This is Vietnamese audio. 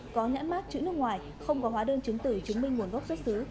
có nhãn mát chữ nước ngoài không có hóa đơn chứng tử chứng minh nguồn gốc xuất xứ